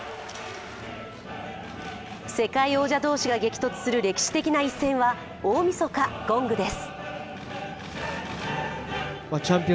世界王者同士が激突する歴史的な一戦は大みそか、ゴングです。